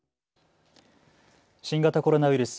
新型コロナウイルス。